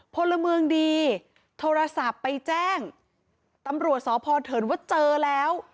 พลเมืองดีโทรศัพท์ไปแจ้งตำรวจสพเถินว่าเจอแล้ว